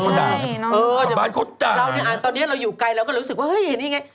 ตอนนี้เราอยู่ไกลเราก็รู้สึกว่าเฮ้ยนี่ไง